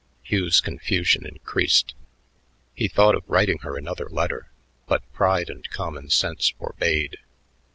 Hugh's confusion increased. He thought of writing her another letter, but pride and common sense forbade.